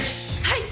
はい。